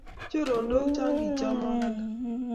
Chorondok Cho kichomok alak